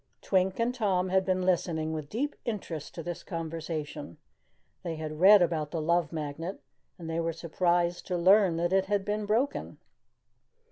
Twink and Tom had been listening with deep interest to this conversation. They had read about the Love Magnet and they were surprised to learn that it had been broken.